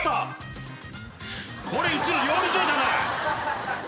これうちの料理長じゃない。